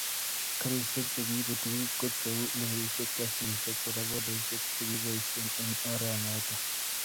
karishek chegiibe tuguk ko cheu lorishek, baskilishek, bodabodaishek chegiboishen eng oranoto